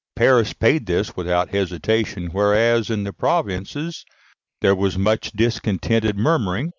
Paris paid this without hesitation, whereas in the provinces there was much discontented murmuring.